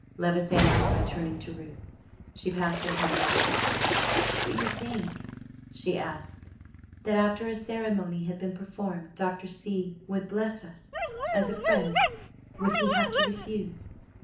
Levice answered by turning to Ruth. She passed her hand over her forehead. "Do you think," she asked, "that after a ceremony had been performed, Dr. C would bless us? As a friend, would he have to refuse?"